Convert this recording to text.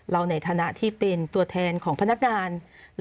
ในฐานะที่เป็นตัวแทนของพนักงาน